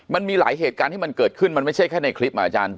มันมีหลายเหตุการณ์ที่มันเกิดขึ้นมันไม่ใช่แค่ในคลิปอ่ะอาจารย์